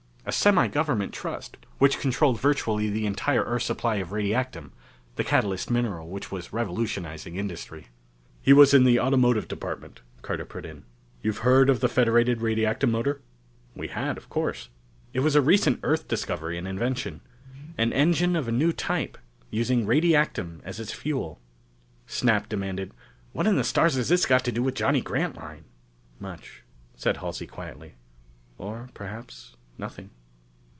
A semigovernment trust, which controlled virtually the entire Earth supply of radiactum, the catalyst mineral which was revolutionizing industry. "He was in the Automotive Department," Carter put in. "You've heard of the Federated Radiactum Motor?" We had, of course. It was a recent Earth discovery and invention. An engine of a new type, using radiactum as its fuel. Snap demanded, "What in the stars has this got to do with Johnny Grantline?" "Much," said Halsey quietly, "or perhaps nothing.